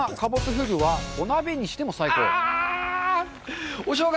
フグはお鍋にしても最高あぁ！